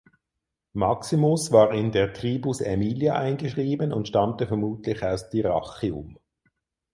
Maximus war in der Tribus "Aemilia" eingeschrieben und stammte vermutlich aus Dyrrhachium.